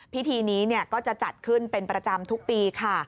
พิธีนี้ก็จะจัดขึ้นเป็นประจำทุกปีค่ะ